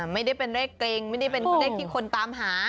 ไม่ได้เป็นเลขเกร็งไม่ได้เป็นเลขที่คนตามหา